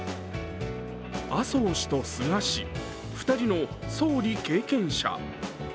麻生氏と菅氏、２人の総理経験者。